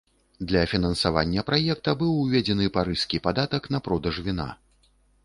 Для фінансавання праекта быў уведзены парыжскі падатак на продаж віна.